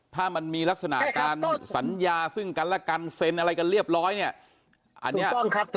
ถ้ามันมีลักษณะการสัญญาซึ่งกันและกันเซ็นอะไรกันเรียบร้อยเนี่ยอันนี้